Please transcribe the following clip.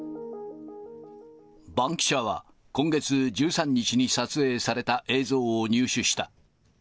バンキシャは、今月１３日に撮影された映像を入手した。